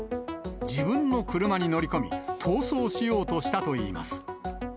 自分の車に乗り込み、逃走しようとしたといいます。